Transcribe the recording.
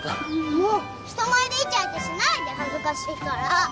もう人前でイチャイチャしないで恥ずかしいから。